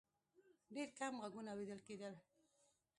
ډېر کم غږونه اورېدل کېدل.